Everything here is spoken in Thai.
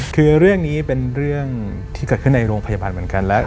คือเรื่องนี้เป็นเรื่องที่เกิดขึ้นในโรงพยาบาลเหมือนกันแล้ว